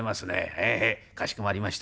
ええへえかしこまりました」。